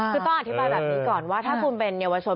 คือต้องอธิบายแบบนี้ก่อนว่าถ้าคุณเป็นเยาวชน